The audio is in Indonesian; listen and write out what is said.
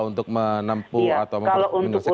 untuk menempuh atau menghasilkan kasus hukum